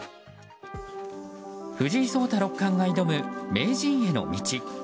藤井聡太六冠が挑む名人への道。